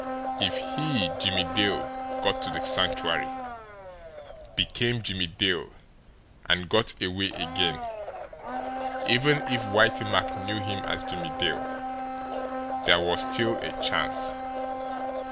If he, Jimmie Dale, got to the Sanctuary, became Jimmie Dale and got away again, even if Whitey Mack knew him as Jimmie Dale, there was still a chance.